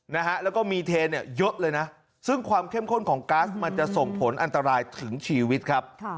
นะฮะแล้วก็มีเทเนี่ยเยอะเลยนะซึ่งความเข้มข้นของก๊าซมันจะส่งผลอันตรายถึงชีวิตครับ